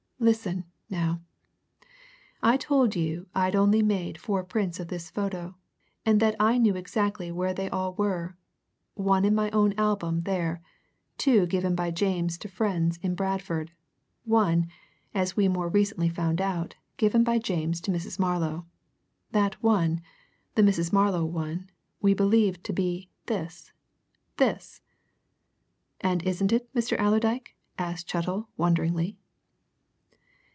Listen, now I told you I'd only made four prints of this photo, and that I knew exactly where they all were one in my own album there, two given by James to friends in Bradford, one as we more recently found out given by James to Mrs. Marlow. That one the Mrs. Marlow one we believed to be this this!" "And isn't it, Mr. Allerdyke?" asked Chettle wonderingly.